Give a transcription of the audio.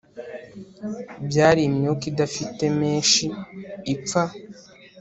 byari imyuka idafite meshi ipfa